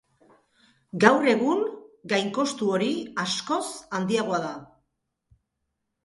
Gaur egun, gainkostu hori askoz handiagoa da.